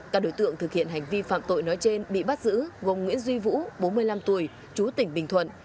các đối tượng thực hiện hành vi phạm tội nói trên bị bắt giữ gồm nguyễn duy vũ bốn mươi năm tuổi chú tỉnh bình thuận